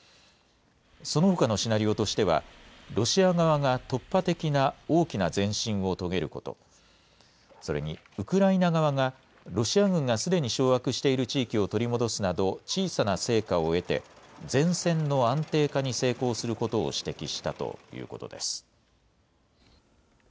そのほかのシナリオとしては、ロシア側が突破的な大きな前進を遂げること、それに、ウクライナ側がロシア軍がすでに掌握している地域を取り戻すなど、小さな成果を得て、前線の安定化に成功することを指摘したということです。